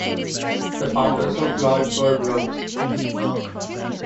The founders of the lodge were Bro.